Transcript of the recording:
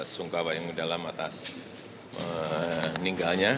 sungkawa yang mendalam atas meninggalnya